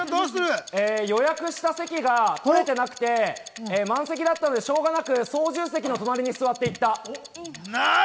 予約した席が取れてなくて満席だったので、しょうがなく操縦席のなるほど。